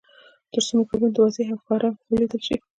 تر څو مکروبونه واضح او ښکاره ولیدل شي.